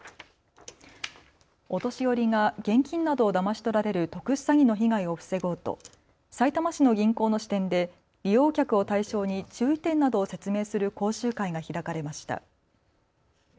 お年寄りが現金などをだまし取られる特殊詐欺の被害を防ごうとさいたま市の銀行の支店で利用客を対象に注意点などを説明する講習会が開かれました。